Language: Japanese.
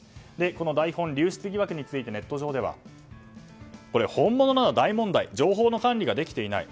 この台本流出疑惑についてネット上では、本物なら大問題情報の管理ができていない。